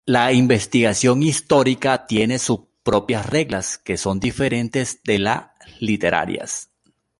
La investigación histórica tienen sus propias reglas, que son diferentes de las literarias.